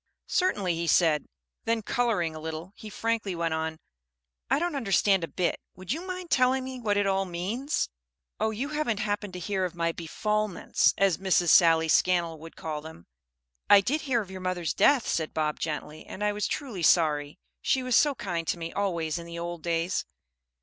"Certainly," he said. Then coloring a little he frankly went on, "I don't understand a bit. Would you mind telling me what it all means?" "Oh, you haven't happened to hear of my 'befalments,' as Miss Sally Scannell would call them." "I did hear of your mother's death," said Bob, gently, "and I was truly sorry. She was so kind to me always in the old days."